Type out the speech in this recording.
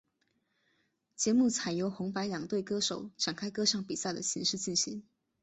节目采由红白两队歌手展开歌唱比赛的形式进行。